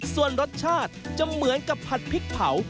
ส่วนรสชาติจะเหมือนกับผัดพริกเผา